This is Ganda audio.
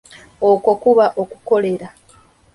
Okwo kuba okukolera.